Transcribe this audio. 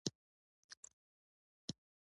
• دښمني د ناورین زېږنده ده.